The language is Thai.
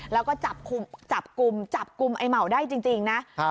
แล้วก็จับกลุ่มจับกลุ่มไอ้เหมาได้จริงนะ